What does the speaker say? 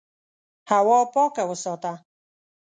هوا پاکه وساته.